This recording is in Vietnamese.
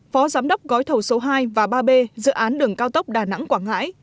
phó giám đốc gói thầu số hai và ba b dự án đường cao tốc đà nẵng quảng ngãi